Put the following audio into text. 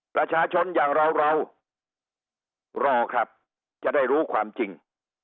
ประชาชนอย่างเราเรารอครับจะได้รู้ความจริง